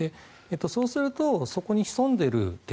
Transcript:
そうすると、そこに潜んでいる敵